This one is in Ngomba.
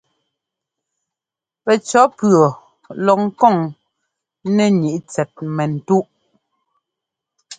Pɛcʉ̈ɔ́ pʉ̈ɔ lɔ ŋkoŋ nɛ́ ŋíʼ tsɛt mɛ́ntúʼ.